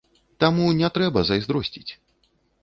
Таму не трэба зайздросціць!